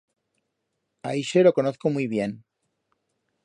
A ixe lo conozco muit bien.